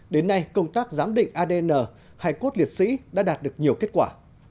đến nay công tác giám định adn hải cốt liệt sĩ đã đạt được nhiều kết quả